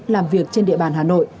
làm việc trên địa bàn hà nội